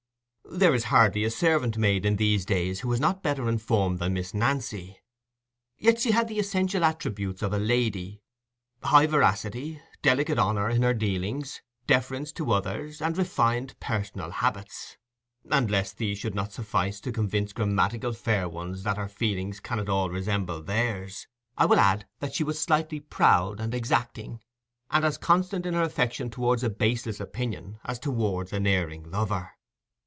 There is hardly a servant maid in these days who is not better informed than Miss Nancy; yet she had the essential attributes of a lady—high veracity, delicate honour in her dealings, deference to others, and refined personal habits,—and lest these should not suffice to convince grammatical fair ones that her feelings can at all resemble theirs, I will add that she was slightly proud and exacting, and as constant in her affection towards a baseless opinion as towards an erring lover.